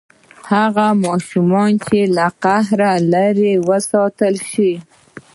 هغه ماشومان چې له قهر لرې وساتل شي.